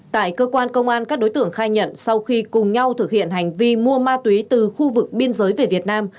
tại cơ quan công an các đối tượng khai nhận sau khi cùng nhau thực hiện hành vi mua ma túy từ khu vực biên giới về việt nam